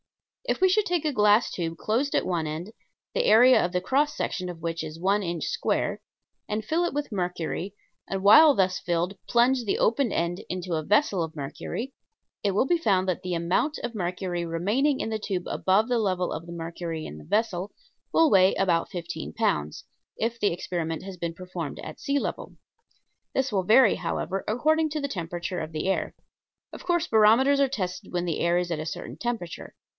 If we should take a glass tube closed at one end, the area of the cross section of which is one inch square, and fill it with mercury, and while thus filled plunge the open end into a vessel of mercury, it will be found that the amount of mercury remaining in the tube above the level of the mercury in the vessel will weigh about fifteen pounds, if the experiment has been performed at sea level. This will vary, however, according to the temperature of the air. Of course barometers are tested when the air is at a certain temperature.